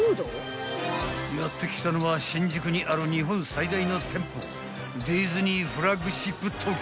［やって来たのは新宿にある日本最大の店舗］